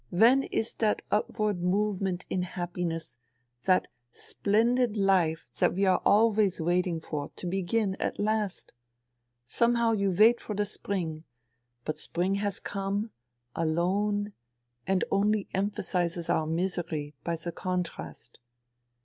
When is that upward movement in happiness, that splendid life that we are always waiting for, to begin at last ? Somehow you wait for the spring. But spring has come ... alone, and only emphasizes our misery, by the contrast.